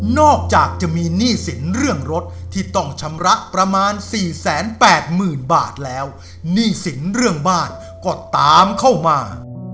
อกจากจะมีหนี้สินเรื่องรถที่ต้องชำระประมาณสี่แสนแปดหมื่นบาทแล้วหนี้สินเรื่องบ้านก็ตามเข้ามา